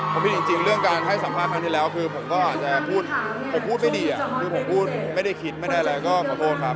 ผมผิดจริงเรื่องการให้สัมภาษณ์ครั้งที่แล้วคือผมก็อาจจะพูดผมพูดไม่ดีคือผมพูดไม่ได้คิดไม่ได้อะไรก็ขอโทษครับ